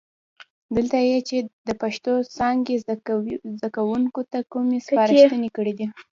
دلته یې چې د پښتو څانګې زده کوونکو ته کومې سپارښتنې کړي دي،